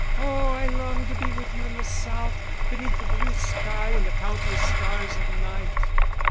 Oh, I long to be with you in the South, beneath the blue sky and the countless stars of night."